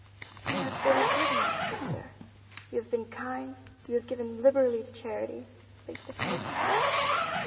"You have been a good master, sir. You have been kind, you have given liberally to charity," Biggs defended him.